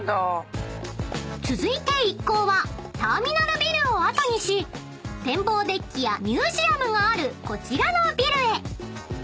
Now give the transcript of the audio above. ［続いて一行はターミナルビルを後にし展望デッキやミュージアムがあるこちらのビルへ］